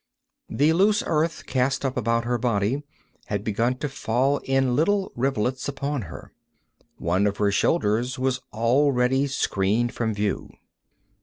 The loose earth cast up about her body had begun to fall in little rivulets upon her. One of her shoulders was already screened from view.